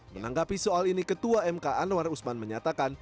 menanggapi soal ini ketua mk anwar usman menyatakan